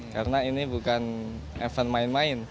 karena ini bukan event main main